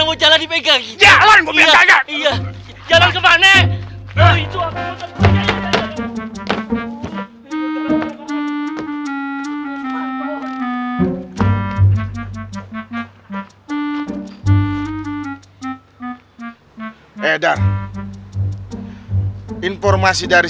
ah jangan mati